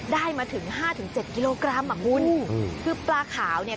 ได้มาถึงห้าถึงเจ็ดกิโลกรัมอ่ะคุณคือปลาขาวเนี่ย